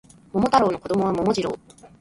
桃太郎の子供は桃次郎